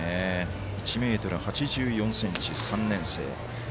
１ｍ８４ｃｍ、３年生。